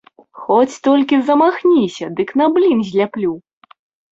Хоць толькі замахніся, дык на блін зляплю!